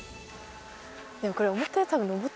でもこれ。